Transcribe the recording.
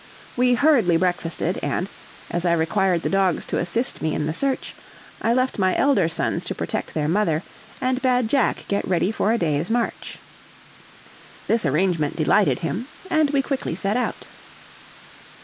We hurriedly breakfasted, and, as I required the dogs to assist me in the search, I left my elder sons to protect their mother, and bade Jack get ready for a day's march. This arrangement delighted him, and we quickly set out.